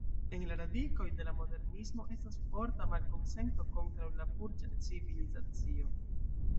En la radikoj de la Modernismo estas forta malkonsento kontraŭ la burĝa civilizacio.